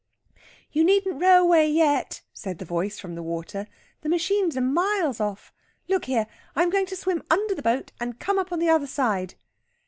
"You needn't row away yet," said the voice from the water. "The machines are miles off. Look here, I'm going to swim under the boat and come up on the other side!"